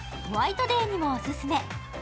ホワイトデーにもオススメ。